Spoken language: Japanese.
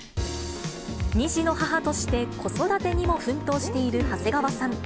２児の母として子育てにも奮闘している長谷川さん。